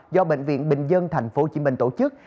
do bệnh viện bình dân tp hcm tổ chức